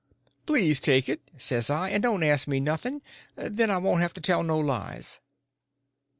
"Please take it," says I, "and don't ask me nothing—then I won't have to tell no lies."